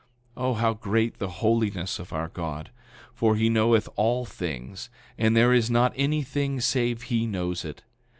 9:20 O how great the holiness of our God! For he knoweth all things, and there is not anything save he knows it.